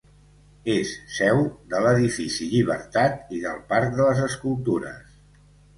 És seu de l'Edifici Llibertat i del Parc de les Escultures.